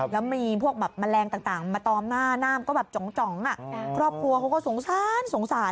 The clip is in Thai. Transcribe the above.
แล้วมีพวกแมลงต่างมาตอมหน้าหน้าก็บาปจ๋องครอบครัวเค้าก็สงสัญ